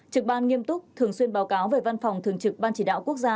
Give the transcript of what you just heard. trực ban nghiêm túc thường xuyên báo cáo về văn phòng thường trực ban chỉ đạo quốc gia